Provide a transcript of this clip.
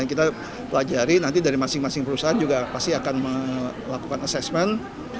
yang kita pelajari nanti dari masing masing perusahaan juga pasti akan melakukan assessment